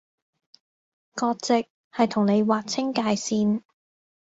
割蓆係同你劃清界線